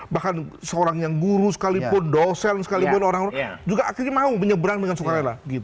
bahkan seorang yang guru sekalipun dosen sekalipun orang orang juga akhirnya mau menyeberang dengan sukarela